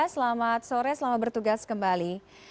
selamat sore selamat bertugas kembali